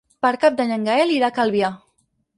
Per Cap d'Any en Gaël irà a Calvià.